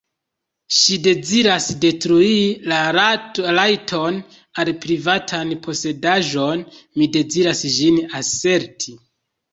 Ŝi deziras detrui la rajton al privatan posedaĵon, mi deziras ĝin aserti.